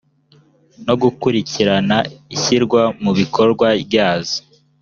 no gukurikirana ishyirwa mu bikorwa ryazo